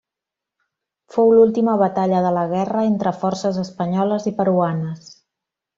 Fou l'última batalla de la guerra entre forces espanyoles i peruanes.